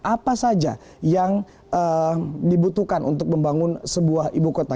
apa saja yang dibutuhkan untuk membangun sebuah ibu kota